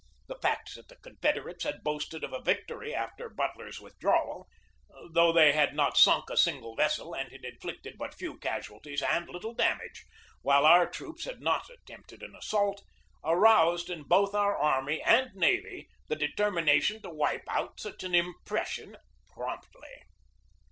The fact that the Confederates had boasted of a victory after Butler's withdrawal though they had not sunk a single vessel and had inflicted but few casualties and little damage, while our troops had 134 GEORGE DEWEY not attempted an assault aroused in both our army and navy the determination to wipe out such an impression promptly.